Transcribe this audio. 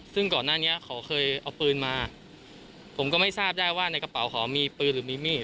ซึ่งก่อนหน้านี้เขาเคยเอาปืนมาผมก็ไม่ทราบได้ว่าในกระเป๋าเขามีปืนหรือมีมีด